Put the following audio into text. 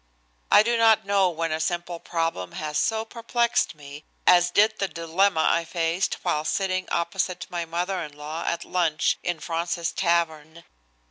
I do not know when a simple problem has so perplexed me as did the dilemma I faced while sitting opposite my mother in law at lunch in Fraunces's Tavern.